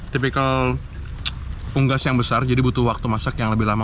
tipikal unggas yang besar jadi butuh waktu masak yang lebih lama